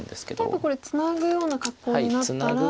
例えばこれツナぐような格好になったら。